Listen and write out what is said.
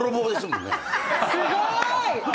すごーい！